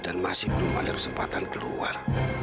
dan masih belum ada kesempatan keluar